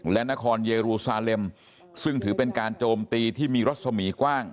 และนครเยรูซาเลมซึ่งถือเป็นการโจมตีที่มีรัศมีกว้าง